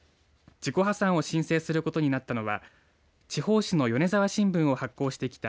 自己破産を申請することになったのは地方紙の米澤新聞を発行してきた